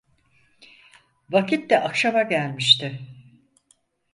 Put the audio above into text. Vakit de akşama gelmişti.